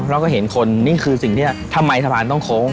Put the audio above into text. เราก็เห็นคนนี่คือสิ่งที่ทำไมสะพานต้องโค้ง